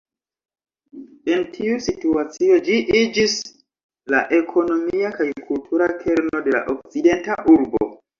En tiu situacio ĝi iĝis la ekonomia kaj kultura kerno de la okcidenta urbo.